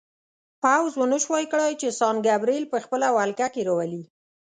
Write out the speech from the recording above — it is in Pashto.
پوځ ونه شوای کړای چې سان ګبریل په خپله ولکه کې راولي.